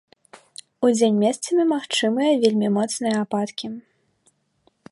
Удзень месцамі магчымыя вельмі моцныя ападкі.